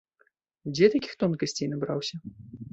Дзе такіх тонкасцей набраўся?